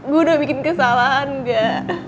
gue udah bikin kesalahan gak